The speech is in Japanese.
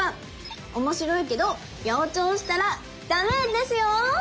面白いけど八百長したら駄目ですよ！